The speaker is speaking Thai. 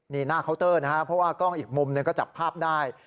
นี่หน้าเคาน์เตอร์นะครับเพราะว่ากล้องอีกมุมหนึ่งก็จับภาพได้